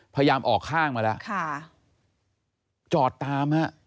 พยายามออกข้างมาแล้วค่ะจอดตามฮะ